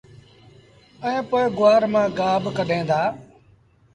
ائيٚݩ پو گُوآر مآݩ گآه باڪڍين دآ۔